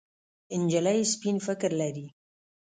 نجلۍ سپين فکر لري.